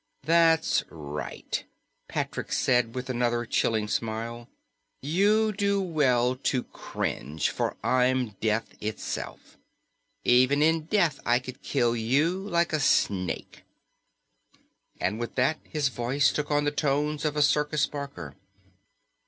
"That's right," Patrick said with another chilling smile. "You do well to cringe, for I'm death itself. Even in death I could kill you, like a snake." And with that his voice took on the tones of a circus barker.